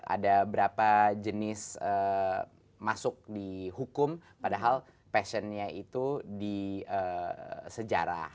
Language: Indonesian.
ada berapa jenis masuk di hukum padahal passionnya itu di sejarah